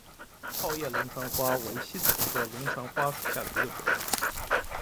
泡叶龙船花为茜草科龙船花属下的一个种。